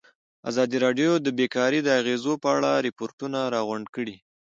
ازادي راډیو د بیکاري د اغېزو په اړه ریپوټونه راغونډ کړي.